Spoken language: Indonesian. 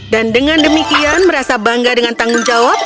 dan dengan demikian merasa bangga dengan tanggung jawab